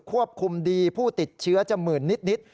ควบคุมดีผู้ติดเชื้อจะหมื่นนิด